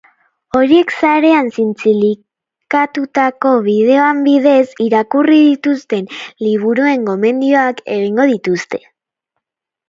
Horiek, sarean zintzilikatutako bideoen bidez, irakurri dituzten liburuen gomendioak egingo dituzte.